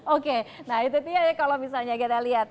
oke nah itu dia ya kalau misalnya